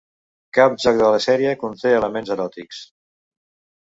Cap joc de la sèrie conté elements eròtics.